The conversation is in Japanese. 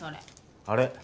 あれ？